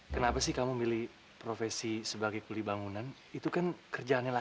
sampai jumpa di video selanjutnya